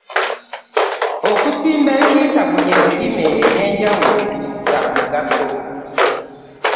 Okusimba ekintabuli ebirime eby’enjawulo kya mugaso.